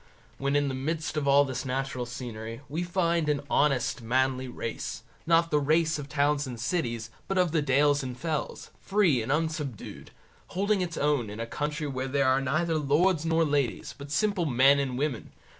When in the midst of all this natural scenery, we find an honest manly race, not the race of the towns and cities, but of the dales and fells, free and unsubdued, holding its own in a country where there are neither lords nor ladies, but simple men and women.